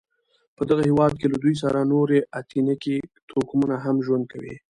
په دغه هېواد کې له دوی سره نور اتنیکي توکمونه هم ژوند کوي.